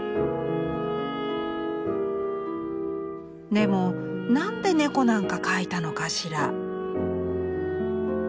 「でもなんで猫なんか描いたのかしら」。